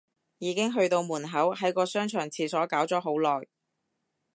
已經去到門口，喺個商場廁所搞咗好耐